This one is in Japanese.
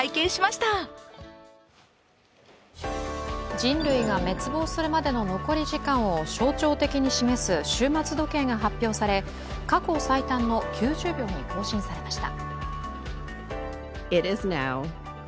人類が滅亡するまでの残り時間を象徴的に示す終末時計が発表され過去最短の９０秒に更新されました。